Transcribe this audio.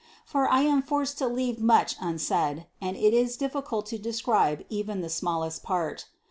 For I am forced to leave much unsaid, and it is difficult to describe even the smallest part.